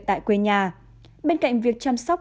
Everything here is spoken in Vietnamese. tại quê nhà bên cạnh việc chăm sóc